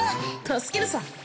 助けるさ